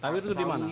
tawiri itu di mana